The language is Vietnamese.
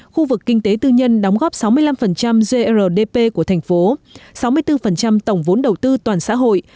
khu vực kinh tế tư nhân đóng góp sáu mươi năm grdp của thành phố sáu mươi bốn tổng vốn đầu tư toàn xã hội